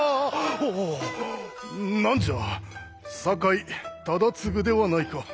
何じゃ酒井忠次ではないか。